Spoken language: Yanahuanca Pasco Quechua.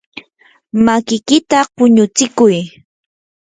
makiykita quñutsikuy.